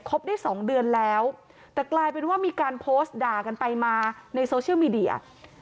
ได้สองเดือนแล้วแต่กลายเป็นว่ามีการโพสต์ด่ากันไปมาในโซเชียลมีเดีย